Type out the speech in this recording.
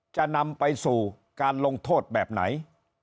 จะนำไปสู่การลงโทษแบบไหน